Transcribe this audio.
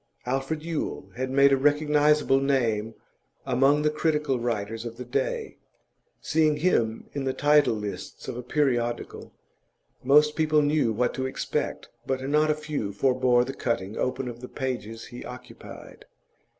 Alfred Yule had made a recognisable name among the critical writers of the day; seeing him in the title lists of a periodical, most people knew what to expect, but not a few forbore the cutting open of the pages he occupied.